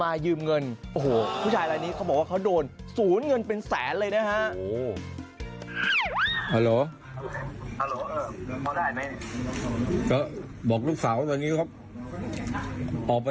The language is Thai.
อันนี้ก็อย่ามาวอะไรแทงสิ้นนะคะ